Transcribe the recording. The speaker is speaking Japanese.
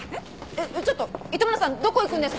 えっちょっと糸村さんどこ行くんですか？